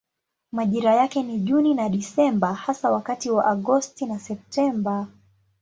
Majira yake ni Juni na Desemba hasa wakati wa Agosti na Septemba.